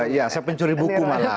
iya saya pencuri buku malah